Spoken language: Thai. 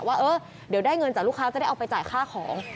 ว่าเออเดี๋ยวได้เงินจากลูกค้าจะได้เอาไปจ่ายค่าของ